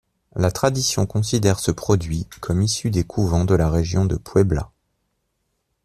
La tradition considère ce produit comme issu des couvents de la région de Puebla.